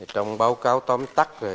trong báo cáo tóm tắt rồi